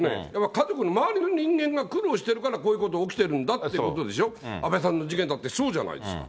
家族の、周りの人間が苦労しているから、こういうこと起きてるんだってことでしょ、安倍さんの事件だってそうじゃないですか。